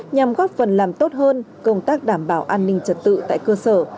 nhằm góp phần làm tốt hơn công tác đảm bảo an ninh trật tự tại cơ sở